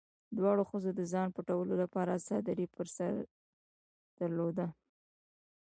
دواړو ښځو د ځان پټولو لپاره څادري په سر درلوده.